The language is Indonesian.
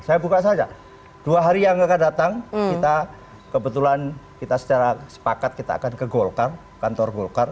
saya buka saja dua hari yang akan datang kita kebetulan kita secara sepakat kita akan ke golkar kantor golkar